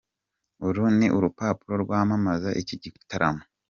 Uru ni urupapuro rwamamaza iki gitaramo.